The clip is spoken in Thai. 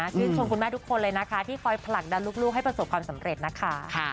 ชื่นชมคุณแม่ทุกคนเลยนะคะที่คอยผลักดันลูกให้ประสบความสำเร็จนะคะ